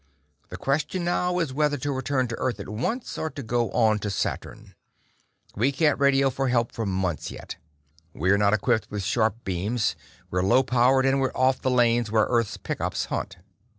The question now is whether to return to Earth at once or to go on to Saturn. We can't radio for help for months yet. We're not equipped with sharp beams, we're low powered, and we're off the lanes where Earth's pick ups hunt.